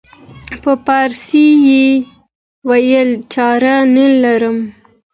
په پارسي یې وویل چاره نه لرم.